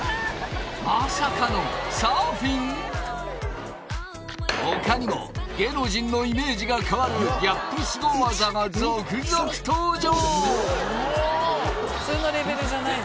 まさかの他にも芸能人のイメージが変わるギャップすご技が続々登場うわ